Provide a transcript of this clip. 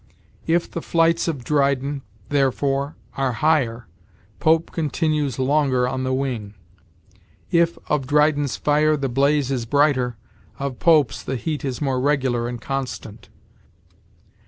If the flights of Dryden, therefore, are higher, Pope continues longer on the wing. If of Dryden's fire the blaze is brighter, of Pope's the heat is more regular and constant.